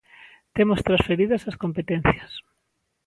Temos transferidas as competencias.